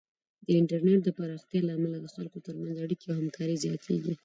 د انټرنیټ د پراختیا له امله د خلکو ترمنځ اړیکې او همکاري زیاتېږي.